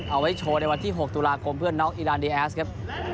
เอาไว้โชว์ในวันที่๖ตุลาคมเพื่อนน้องอีรานดีแอสครับ